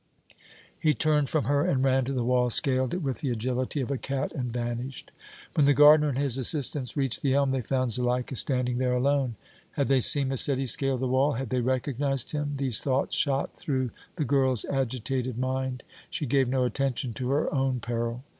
He turned from her and ran to the wall, scaled it with the agility of a cat and vanished. When the gardener and his assistants reached the elm, they found Zuleika standing there alone. Had they seen Massetti scale the wall? Had they recognized him? These thoughts shot through the girl's agitated mind. She gave no attention to her own peril.